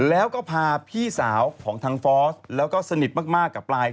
แล้วก็พาพี่สาวของทางฟอสแล้วก็สนิทมากกับปลาย